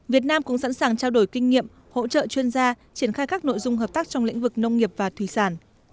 việt nam cũng sẵn sàng trao đổi kinh nghiệm hỗ trợ chuyên gia triển khai các nội dung hợp tác trong lĩnh vực nông nghiệp và thủy sản